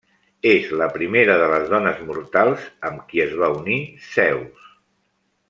És la primera de les dones mortals amb qui es va unir Zeus.